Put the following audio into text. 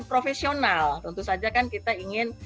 profesional tentu saja kan kita ingin